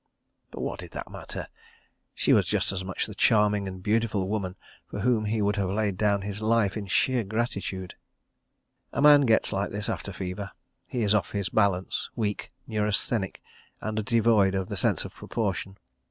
... But what did that matter—she was just as much the charming and beautiful woman for whom he would have laid down his life in sheer gratitude. ...A man gets like this after fever. He is off his balance, weak, neurasthenic, and devoid of the sense of proportion.